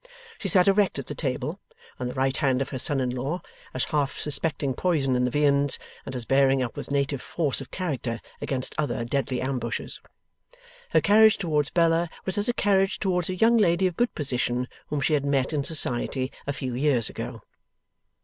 She sat erect at table, on the right hand of her son in law, as half suspecting poison in the viands, and as bearing up with native force of character against other deadly ambushes. Her carriage towards Bella was as a carriage towards a young lady of good position, whom she had met in society a few years ago.